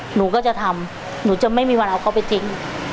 หนูก็จะทำหนูจะไม่มีวันเอาเขาไปทิ้ง